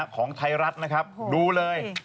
ของไทยรัฐนะครับดูเลย